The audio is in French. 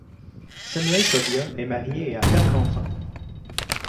Samuel Kobia est marié et a quatre enfants.